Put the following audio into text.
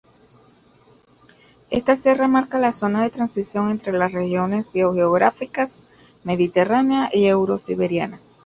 Esta sierra marca la zona de transición entre las regiones biogeográficas mediterránea y eurosiberiana.